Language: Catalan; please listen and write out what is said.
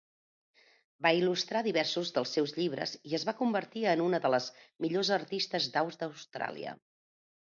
Va il·lustrar diversos dels seus llibres i es va convertir en una de les millors artistes d'aus d'Austràlia.